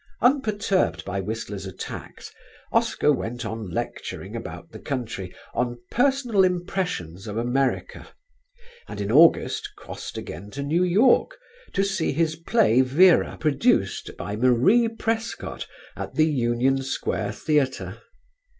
Unperturbed by Whistler's attacks, Oscar went on lecturing about the country on "Personal Impressions of America," and in August crossed again to New York to see his play "Vera" produced by Marie Prescott at the Union Square Theatre.